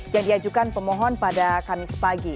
yang diajukan pemohon pada kamis pagi